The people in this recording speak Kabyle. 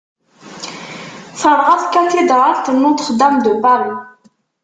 Terɣa tkatidralt n Notre-Dame de Paris.